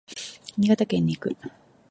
新潟県に行く。